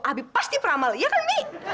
abi pasti pramal ya kan mi